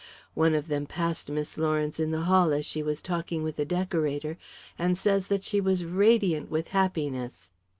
One of them passed Miss Lawrence in the hall as she was talking with the decorator, and says that she was radiant with happiness.